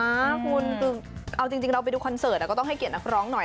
คุณคือเอาจริงเราไปดูคอนเสิร์ตก็ต้องให้เกียรตินักร้องหน่อย